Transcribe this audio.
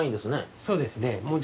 そうですね。